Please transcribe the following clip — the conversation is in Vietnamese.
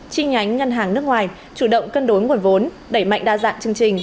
chi nhánh ngân hàng nước ngoài chủ động cân đối nguồn vốn đẩy mạnh đa dạng chương trình